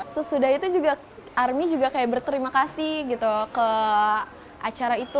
sesudah itu juga army juga kayak berterima kasih gitu ke acara itu